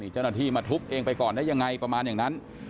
เจ้าหน้าที่มาทุบเองไปก่อนได้ยังไงประมาณอย่างนั้น